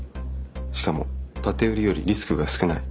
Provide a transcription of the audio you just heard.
しかも建て売りよりリスクが少ない。